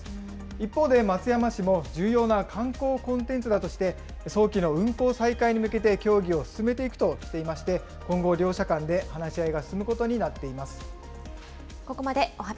一方で松山市も重要な観光コンテンツだとして、早期の運行再開に向けて協議を進めていくとしていまして、今後、両者間で話し合いが進むことになっています。